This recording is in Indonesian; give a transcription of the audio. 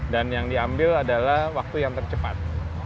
dan yang diambil adalah waktu yang tercepat